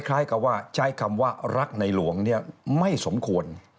คล้ายกับว่าใช้คำว่ารักในหลวงเนี่ยไม่สมควร